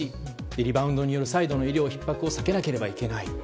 リバウンドによる再度の医療ひっ迫を避けなければいけない。